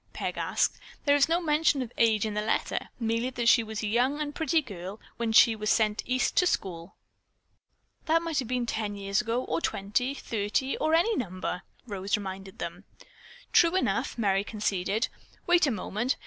Peg asked. "There is no mention of age in the letter. Merely that she was a young and pretty girl when she was sent East to school." "That might have been ten years ago or twenty, thirty, or any number," Rose reminded them. "True enough," Merry conceded. "Wait a moment.